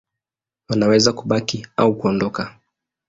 Wanaweza kubaki au kuondoka.